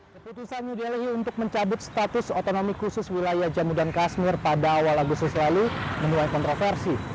keputusan new delhi untuk mencabut status otonomi khusus wilayah jammu dan kashmir pada awal agustus lalu menyebabkan kontroversi